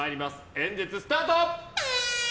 演説スタート！